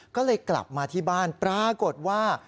ก็เลยกลับมาที่บ้านปรากฏว่า